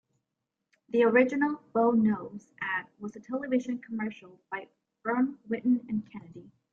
The original "Bo Knows" ad was a television commercial by firm Wieden and Kennedy.